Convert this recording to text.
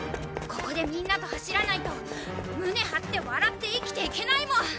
ここでみんなと走らないと胸張って笑って生きていけないもん！